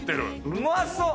うまそう。